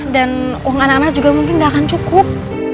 dan uang anak anak juga mungkin gak akan cukup